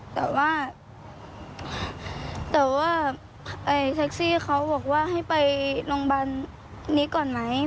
แต่ว่าแท็กซี่เขาบอกว่าให้ไปโรงพยาบาลนี้ก่อนนะครับ